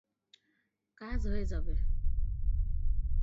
কাজ হয়ে যাবে।